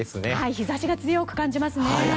日差しが強く感じますね。